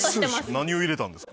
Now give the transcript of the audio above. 何を入れたんですか？